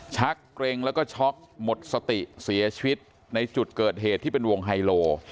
ชักเกร็งแล้วก็ช็อกหมดสติเสียชีวิตในจุดเกิดเหตุที่เป็นวงไฮโล